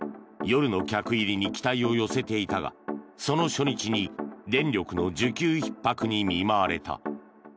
夜の客入りに期待を寄せていたがその初日に電力の需給ひっ迫に見舞われた。